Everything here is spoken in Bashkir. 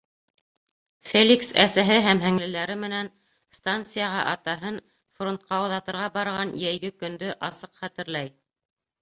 Феликс әсәһе һәм һеңлеләре менән станцияға атаһын фронтҡа оҙатырға барған йәйге көндө асыҡ хәтерләй.